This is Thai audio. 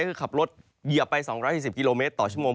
ก็คือขับรถเหยียบไป๒๔๐กิโลเมตรต่อชั่วโมง